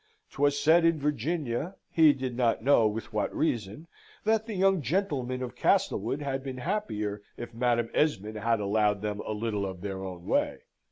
'Twas said in Virginia he did not know with what reason that the young gentlemen of Castlewood had been happier if Madam Esmond had allowed them a little of their own way.